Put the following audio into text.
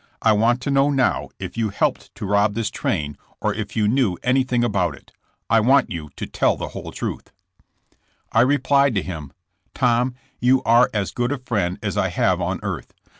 I want to know now if yoa IhBlped to rob this tuaiji or IN CONCI.tJSION. 187 if yon knew anything about it. I want you to tell the whole truth.'* I replied to him :*' Tom you are as good a friend as I have on earth.